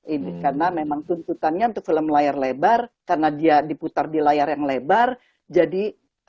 ini karena memang tuntutannya untuk film layar lebar karena dia diputar di layar yang lebar jadi